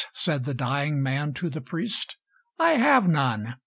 said the dying man to the priest. "I have none.